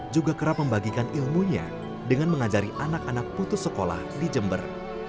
juga kerap membagikan ilmunya dengan mengajari anak anak putus sekolah di jember